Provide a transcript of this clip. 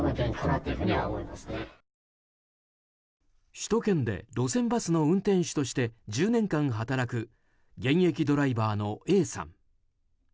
首都圏で路線バスの運転手として１０年間働く現役ドライバーのＡさん。